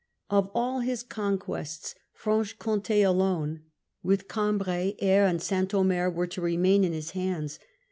Of Louis. all his conquests, Franche Comtd alone, with Cambrai, Aire, and St. Omer, were to remain in his hands.